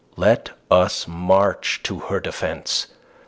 Let us march to her defence.